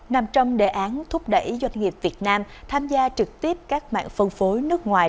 nằm trong đề án thúc đẩy doanh nghiệp việt nam tham gia trực tiếp các mạng phân phối nước ngoài